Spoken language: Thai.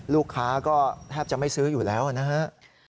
ลูกค้าก็แทบจะไม่ซื้ออยู่แล้วนะครับ